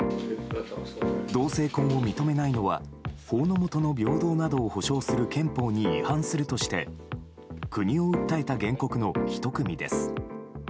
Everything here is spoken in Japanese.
同性婚を認めないのは法の下の平等などを保障する憲法に違反するとして国を訴えた原告の１組です。